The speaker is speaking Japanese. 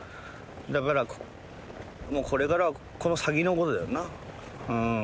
だからもうこれからはこの先のことだよな。